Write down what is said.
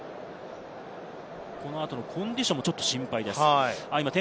この後のコンディションもちょっと心配です。